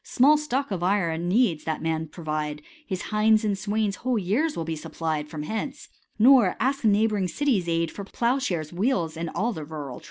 Small stock of iron needs that man provide, .': His hinds and swains whole years shall be supplied From hence : nor ask the neighbouring city's aid For ploughshares, wheels, and all the rural trade.